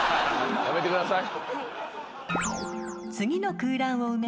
やめてください。